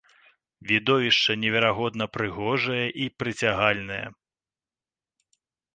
Відовішча неверагодна прыгожае і прыцягальнае.